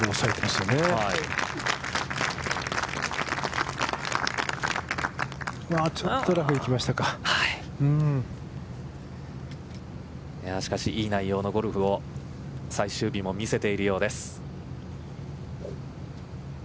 しかし、いい内容のゴルフを最終日も見せているようです。